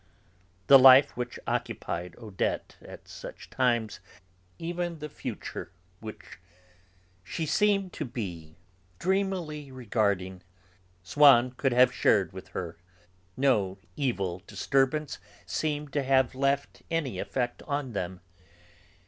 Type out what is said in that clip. The life which occupied Odette at such times, even the future which she seemed to be dreamily regarding, Swann could have shared with her. No evil disturbance seemed to have left any effect on them.